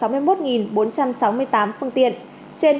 sáu mươi một bốn trăm sáu mươi tám phương tiện trên